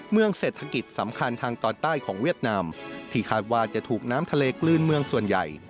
เมืองเศรษฐกิจสำคัญทางตอนใต้ของเวียดนามที่คาดว่าจะถูกน้ำทะเลกลืนเมืองส่วนใหญ่